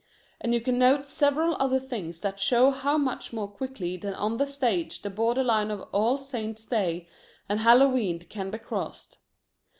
And you can note several other things that show how much more quickly than on the stage the borderline of All Saints' Day and Hallowe'en can be crossed.